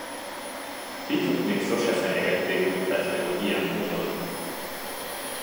Pityut még sose fenyegették büntetlenül ilyen módon.